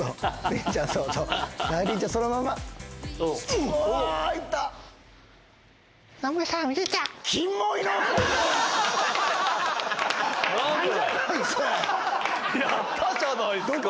やったじゃないっすか！